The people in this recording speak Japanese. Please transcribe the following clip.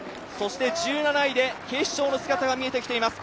１７位で警視庁の姿が見えてきています。